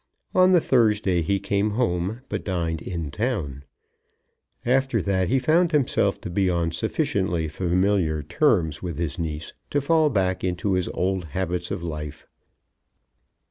On the Thursday he came home, but dined in town. After that he found himself to be on sufficiently familiar terms with his niece to fall back into his old habits of life.